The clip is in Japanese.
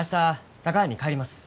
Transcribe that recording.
佐川に帰ります。